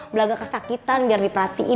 belaga kesakitan biar diperhatiin